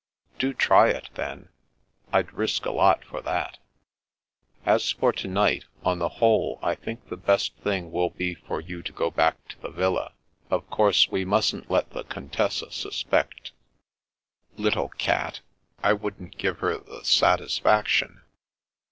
" Do try it, then. I'd risk a lot for that" " As for to night, on the whole I think the best thing will be for you to go back to the villa. Of course we mustn't let the Contessa suspect "Little cat! I wouldn't give her the satisfac tion."